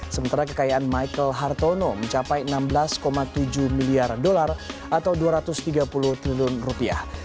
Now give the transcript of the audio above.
sementara kekayaan michael hartono mencapai enam belas tujuh miliar dolar atau dua ratus tiga puluh triliun rupiah